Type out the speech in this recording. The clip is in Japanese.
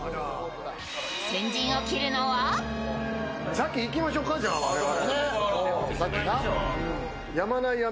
先いきましょうか、我々。